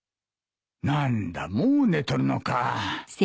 何だもう寝とるのか。